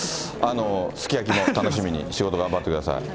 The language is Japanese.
すき焼きも楽しみに仕事頑張ってください。